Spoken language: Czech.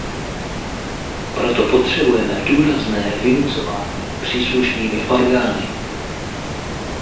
Proto potřebujeme důrazné vynucování příslušnými orgány.